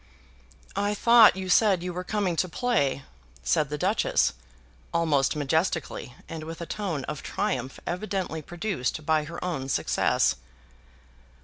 "I thought you said you were coming to play," said the Duchess, almost majestically, and with a tone of triumph evidently produced by her own successes.